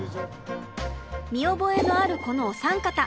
見覚えのあるこのお三方。